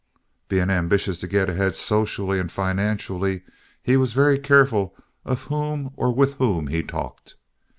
Being ambitious to get ahead socially and financially, he was very careful of whom or with whom he talked.